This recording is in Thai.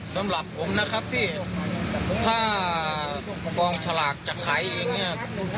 สำหรับผมนะครับที่ถ้ากองสลากจะขายเองเนี่ย